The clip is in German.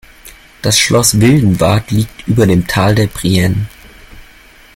Das Schloss Wildenwart liegt über dem Tal der Prien.